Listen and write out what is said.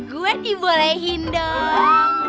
gue dibolehin dong